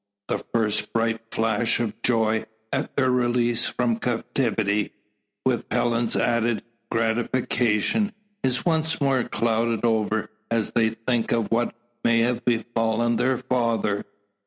The first bright flash of joy at their release from captivity, with Helen's added gratification, is once more clouded over, as they think of what may have befallen their father.